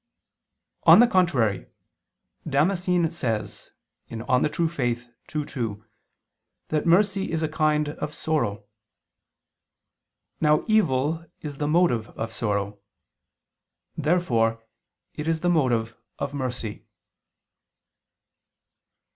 On the contrary, Damascene says (De Fide Orth. ii, 2) that mercy is a kind of sorrow. Now evil is the motive of sorrow. Therefore it is the motive of mercy.